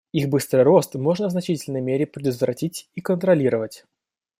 Их быстрый рост можно в значительной мере предотвратить и контролировать.